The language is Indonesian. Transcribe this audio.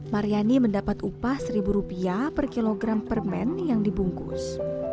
maryani mendapat upah seribu rupiah per kilogram permen yang dibungkus